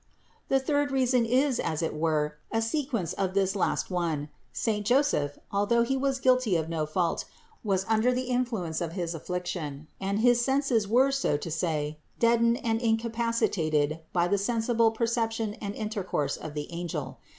The third reason is as it were a sequence of this last one: saint Joseph, although he was guilty of no fault, was under the influence of his affliction and his senses were so to say deadened and incapacitated for the sensi ble perception and intercourse of the angel.